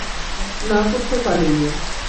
না করতে পরি নি।